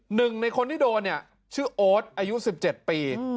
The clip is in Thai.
หนึ่งในคนที่โดนเนี่ยชื่อโอ๊ตอายุ๑๗ปี